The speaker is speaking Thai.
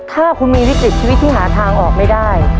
ถ้าคุณมีวิกฤตชีวิตที่หาทางออกไม่ได้